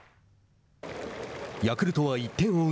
ヤクルトは１点を追う